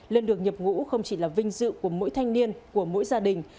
lên được nhập ngũ không chỉ là vinh dự của mỗi thanh niên của mỗi gia đình